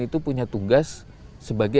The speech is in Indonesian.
itu punya tugas sebagai